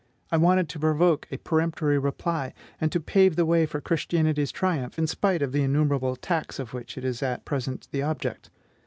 I wanted to provoke a peremptory reply, and to pave the way for Christianity's triumph, in spite of the innumerable attacks of which it is at present the object.